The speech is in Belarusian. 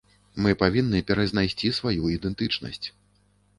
Мы павінны перазнайсці сваю ідэнтычнасць.